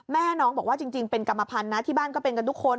แม่น้องบอกว่าจริงเป็นกรรมพันธ์นะที่บ้านก็เป็นกันทุกคน